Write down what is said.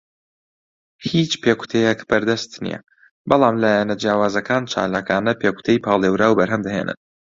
هیچ پێکوتەیەک بەردەست نییە، بەڵام لایەنە جیاوازەکان چالاکانە پێکوتەی پاڵێوراو بەرهەم دەهێنن.